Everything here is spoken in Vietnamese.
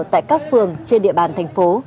tại các phường trên địa bàn thành phố